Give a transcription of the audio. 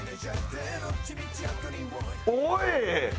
おい！